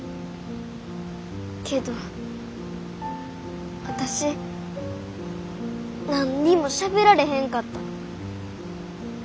けど私何にもしゃべられへんかった。